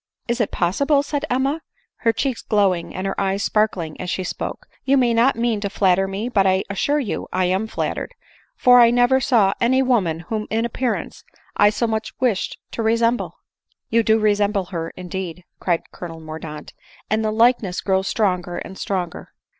"Is it possible ?" said Emma, her cheeks glowing and her eyes sparkling as she spoke ; "you may not meant to flatter me, but I assure you I am flattered ; for I never saw any woman whom in appearance I so much wished to resemble." " You do resemble her indeed," cried Colonel Mor daunt, " and the likeness grows stronger and stronger."